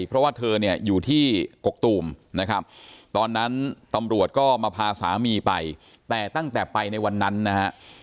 เพราะว่าเธอเนี่ยอยู่ที่กกตูมนะครับตอนนั้นตำรวจก็มาพาสามีไปแต่ตั้งแต่ไปในวันนั้นนะฮะ